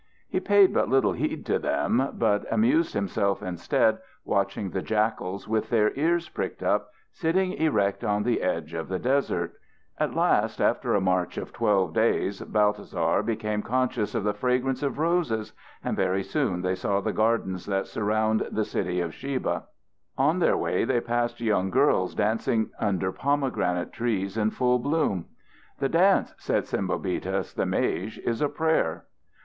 He paid but little heed to them, but amused himself instead watching the jackals with their ears pricked up, sitting erect on the edge of the desert. * The East commonly held kings versed in magic. At last, after a march of twelve days, Balthasar became conscious of the fragrance of roses, and very soon they saw the gardens that surround the city of Sheba. On their way they passed young girls dancing under pomegranate trees in full bloom. "The dance," said Sembobitis the mage, "is a prayer."